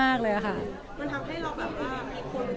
มันทำให้เราแบบว่ามีคนรู้จักเรามากขึ้นแล้วมีงานขึ้นแล้ว